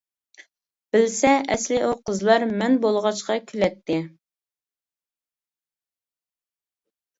بىلسە ئەسلى ئۇ قىزلار، مەن بولغاچقا كۈلەتتى.